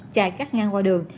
chạy cắt ngang qua đường